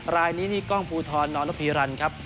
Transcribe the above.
รายนี้ก็กรรมภูทรนพีรันค์ครับ